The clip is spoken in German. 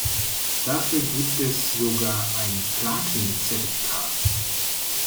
Dafür gibt es sogar ein Platin-Zertifikat.